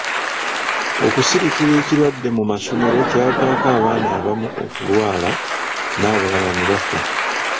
Okusirikira ekirwadde mu masomero kyavaako abaana abamu okulwala n’abalala ne bafa.